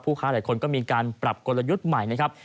ค้าหลายคนก็มีการปรับกลยุทธ์ใหม่นะครับ